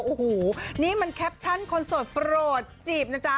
โอ้โหนี่มันแคปชั่นคนโสดโปรดจีบนะจ๊ะ